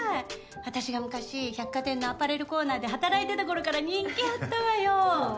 私が昔百貨店のアパレルコーナーで働いてた頃から人気あったわよ。ははっ。